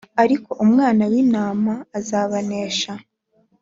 ariko Umwana w’Intama azabanesha,